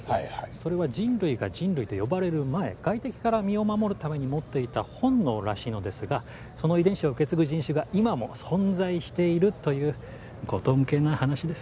それは人類が人類と呼ばれる前外敵から身を守るために持っていた本能らしいのですがその遺伝子を受け継ぐ人種が今も存在しているという荒唐無稽な話です。